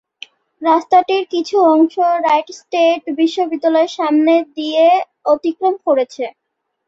রাস্তাটির কিছু অংশ রাইট স্টেট বিশ্ববিদ্যালয়ের সামনে দিয়ে অতিক্রম করেছে।